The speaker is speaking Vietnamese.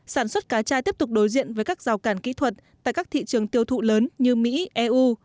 sản xuất cá tra tiếp tục đối diện với các rào cản kỹ thuật tại các thị trường tiêu thụ lớn như mỹ eu